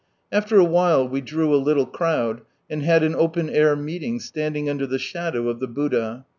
After a while we drew a little crowd, and had an open air meeting, standing under the shadow of ihe Buddha.